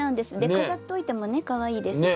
飾っておいてもねかわいいですし。